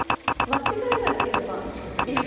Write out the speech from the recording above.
間違えなければ。